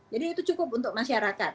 jadi itu cukup untuk masyarakat